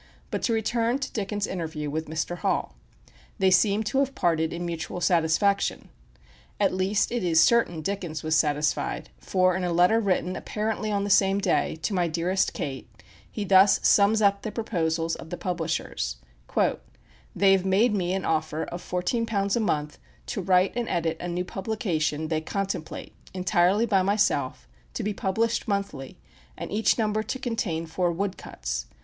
But to return to Dickens' interview with Mr. Hall. They seem to have parted in mutual satisfaction. At least it is certain Dickens was satisfied, for in a letter written, apparently on the same day, to "my dearest Kate," he thus sums up the proposals of the publishers: "They have made me an offer of fourteen pounds a month to write and edit a new publication they contemplate, entirely by myself, to be published monthly, and each number to contain four wood cuts....